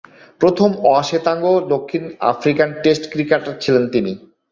প্রথম অ-শ্বেতাঙ্গ দক্ষিণ আফ্রিকান টেস্ট ক্রিকেটার ছিলেন তিনি।